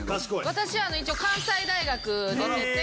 私一応関西大学出てて。